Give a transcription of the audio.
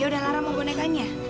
ya udah lara mau bonekanya